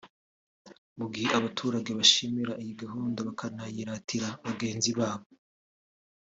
Mu gihe abaturage bashima iyi gahunda bakanayiratira bagenzi babo